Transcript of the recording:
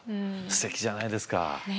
すてきじゃないですか。